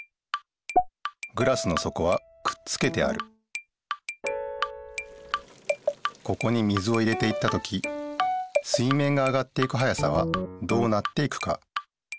グラスのそこはくっつけてあるここに水を入れていった時水面が上がっていく速さはどうなっていくか。